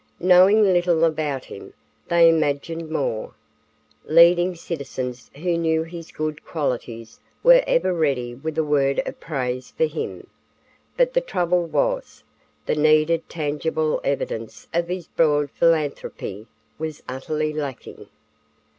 Knowing little about him, they imagined more. Leading citizens who knew his good qualities were ever ready with a word of praise for him. But the trouble was, the needed tangible evidence of his broad philanthropy was utterly lacking.